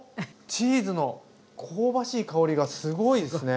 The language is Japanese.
チーズの香ばしい香りがすごいですね。